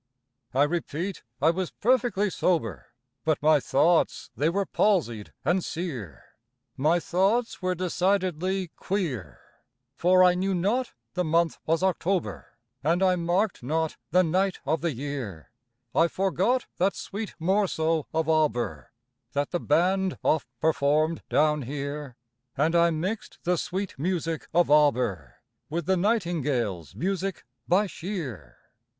I repeat, I was perfectly sober, But my thoughts they were palsied and sear, My thoughts were decidedly queer; For I knew not the month was October, And I marked not the night of the year; I forgot that sweet morceau of Auber That the band oft performed down here, And I mixed the sweet music of Auber With the Nightingale's music by Shear.